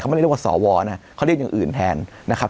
ไม่ได้เรียกว่าสวนะเขาเรียกอย่างอื่นแทนนะครับ